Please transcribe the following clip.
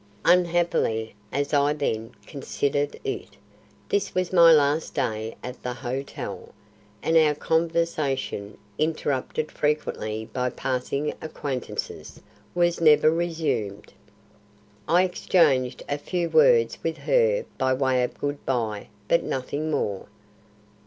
Unhappily, as I then considered it, this was my last day at the hotel, and our conversation, interrupted frequently by passing acquaintances, was never resumed. I exchanged a few words with her by way of good bye but nothing more.